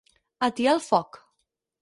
Atiar el foc.